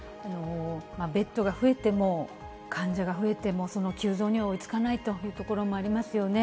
ベッドが増えても患者が増えても、その急増には追いつかないというところもありますよね。